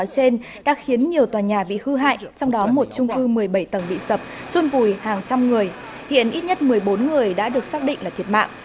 chôn vùi hàng trăm người hiện ít nhất một mươi bốn người đã được xác định là thiệt mạng